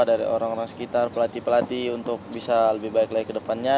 dari orang orang sekitar pelatih pelatih untuk bisa lebih baik lagi ke depannya